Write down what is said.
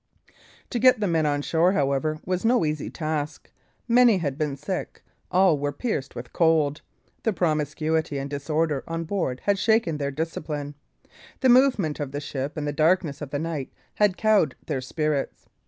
To get the men on shore, however, was no easy task; many had been sick, all were pierced with cold; the promiscuity and disorder on board had shaken their discipline; the movement of the ship and the darkness of the night had cowed their spirits.